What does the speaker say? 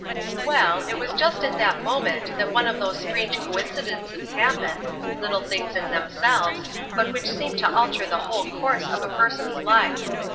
Well, it was just at that moment that one of those strange coincidences happen, little things in themselves, but which seem to alter the whole course of a person's life.